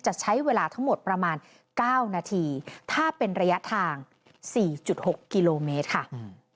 จะใช้เวลาทั้งหมดประมาณเก้านาทีถ้าเป็นระยะทาง๔๖กิโลเมตรค่ะอืม